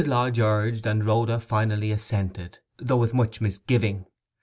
Lodge urged, and Rhoda finally assented, though with much misgiving.